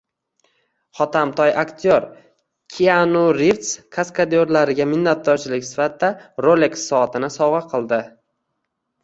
Hotamtoy aktyor: Kianu Rivz kaskadyorlariga minnatdorchilik sifatida Rolex soatini sovg‘a qildi